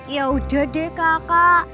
yaudah deh kakak